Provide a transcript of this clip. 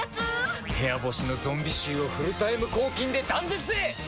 部屋干しのゾンビ臭をフルタイム抗菌で断絶へ！